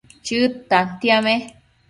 Chëd tantiame